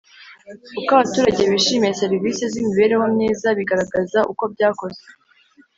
Uko abaturage bishimiye serivisi z imibereho myiza bigaragaza uko byakozwe